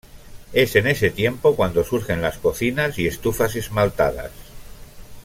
Es en ese tiempo cuando surgen las cocinas y estufas esmaltadas.